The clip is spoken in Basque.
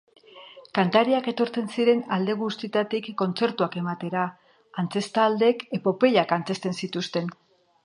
Kantariak etortzen ziren alde guztietatik kontzertuak ematera, antzeztaldeek epopeiak antzezten zituzten.